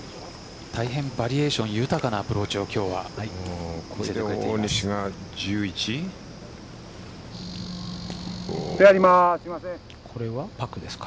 大変バリエーション豊かなアプローチを今日は見せています。